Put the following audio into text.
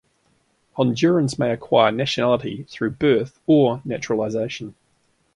Hondurans may acquire nationality through birth or naturalization.